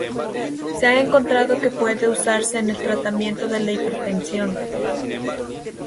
Se ha encontrado que puede usarse en el tratamiento de la hipertensión.